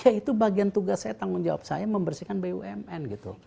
ya itu bagian tugas saya tanggung jawab saya membersihkan bumn gitu